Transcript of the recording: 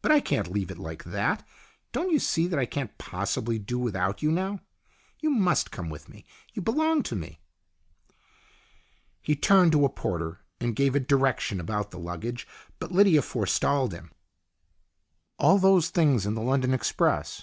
But I can't leave it like that. Don't you see that I can't possibly do without you now ? You must come with me. You belong to me." He turned to a porter to give a direction about the luggage, but Lydia forestalled him. " All those things in the London express.